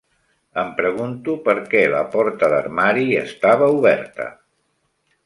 Em pregunto per què la porta d'armari estava oberta?